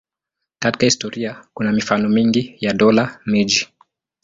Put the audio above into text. Katika historia kuna mifano mingi ya dola-miji.